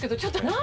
何？